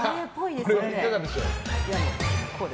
これ、いかがでしょう。